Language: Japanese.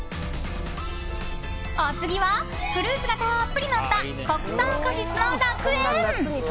お次はフルーツがたっぷりのった国産果実の楽園。